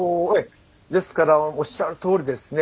ですからおっしゃるとおりですね